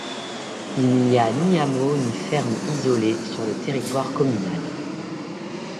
Il n'y a ni hameau, ni ferme isolée sur le territoire communal.